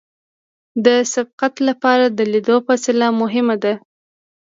د سبقت لپاره د لید فاصله مهمه ده